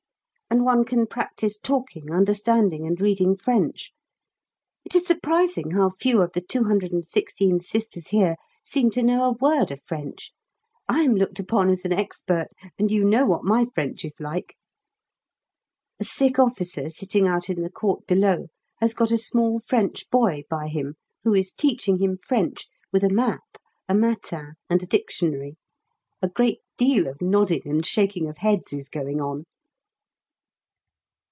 And one can practise talking, understanding, and reading French. It is surprising how few of the 216 Sisters here seem to know a word of French. I am looked upon as an expert, and you know what my French is like! A sick officer sitting out in the court below has got a small French boy by him who is teaching him French with a map, a 'Matin,' and a dictionary. A great deal of nodding and shaking of heads is going on.